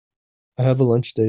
I have a lunch date.